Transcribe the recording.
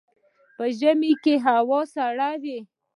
په ژمي کې هوا سړه وي